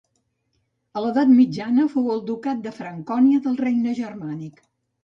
A l'edat mitjana fou el Ducat de Francònia del Regne Germànic.